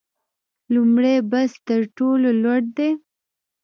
لومړی بست تر ټولو لوړ دی